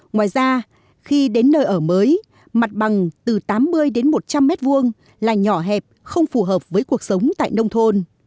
ngoài ra khi đến nơi ở mới mặt bằng từ tám mươi đến một trăm linh m hai là nhỏ hẹp không phù hợp với cuộc sống tại nông thôn